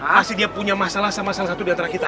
pasti dia punya masalah sama salah satu diantara kita